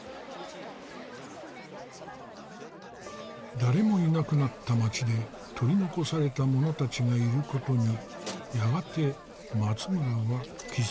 誰もいなくなった町で取り残されたものたちがいることにやがて松村は気付く。